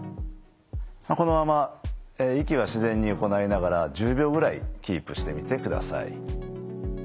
このまま息は自然に行いながら１０秒ぐらいキープしてみてください。